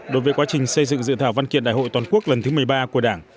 đối với quá trình xây dựng dự thảo văn kiện đại hội toàn quốc lần thứ một mươi ba của đảng